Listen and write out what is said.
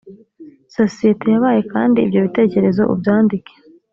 sosiyete yabaye kandi ibyo bitekerezo ubyandike